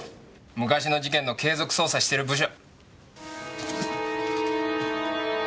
昔の事件の継続捜査してる部署。